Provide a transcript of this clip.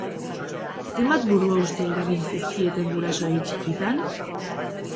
Zenbat buruhauste eragin zizkieten gurasoei txikitan?